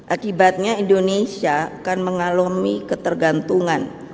akibatnya indonesia akan mengalami ketergantungan